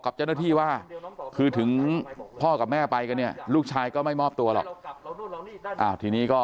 กับเจ้าหน้าที่ว่าคือถึงพ่อกับแม่ไปกันเนี่ยลูกชายก็ไม่มอบตัวหรอกทีนี้ก็